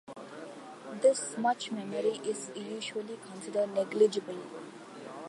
This much memory is usually considered negligible.